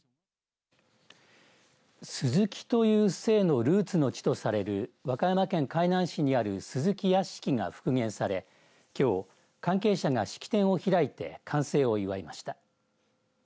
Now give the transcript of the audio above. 鈴木という姓のルーツの地とされる和歌山県海南市にある鈴木屋敷が復元されきょう関係者が式典を開いて完成を祝いました。